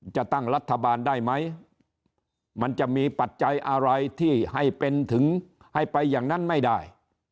จะตั้งรัฐบาลได้ไหมมันจะมีปัจจัยอะไรที่ให้เป็นถึงให้ไปอย่างนั้นไม่ได้